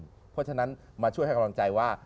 เพราะฉะนั้นมาช่วยให้กำลังใจว่า